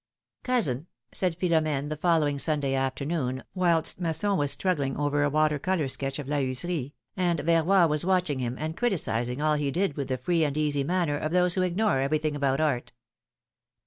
/COUSIN said Philom^ne, the following Sunday afternoon, whilst Masson was struggling over a water color sketch of La Heuserie, and V erroy was watch ing him, and criticising all he did with the free and easy manner of those who ignore everything about art.